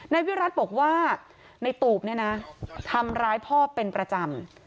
นายวิรัติบอกว่าในตูบเนี่ยนะทำร้ายพ่อเป็นประจำ